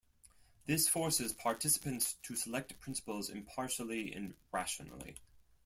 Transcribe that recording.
This forces participants to select principles impartially and rationally.